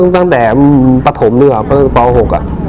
ตั้งแต่ประถมด้วยประมาณครับ